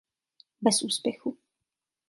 Bez úspěchu.